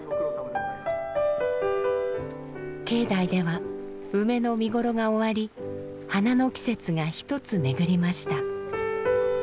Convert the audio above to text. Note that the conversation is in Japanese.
境内では梅の見頃が終わり花の季節が一つ巡りました。